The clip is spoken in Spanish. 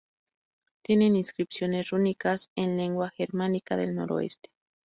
Tienen inscripciones rúnicas en lengua germánica del noroeste.